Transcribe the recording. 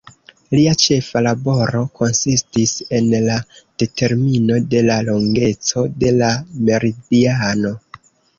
Lia ĉefa laboro konsistis en la determino de la longeco de la meridiano.